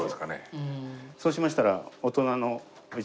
そうしましたら。